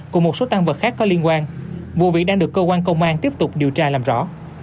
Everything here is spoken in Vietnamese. cùng một số tăng vật khác có liên quan vụ việc đang được cơ quan công an tiếp tục điều tra làm rõ